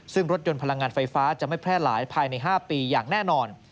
ซึ่งรถยนต์พลังงานไฟฟ้าจะไม่แพร่หลายภายใน๕ปีอย่างแน่นอน